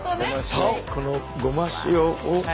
そうこのごま塩を。